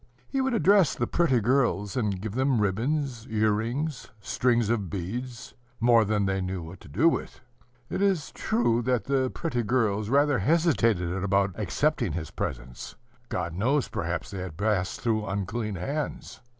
... He would address the pretty girls, and give them ribbons, earrings, strings of beads, more than they knew what to do with. It is true that the pretty girls rather hesitated about accepting his presents: God knows, perhaps they had passed through unclean hands.